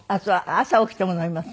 朝起きても飲みます。